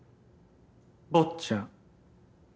坊っちゃん。